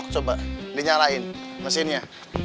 coba dinyalain mesinnya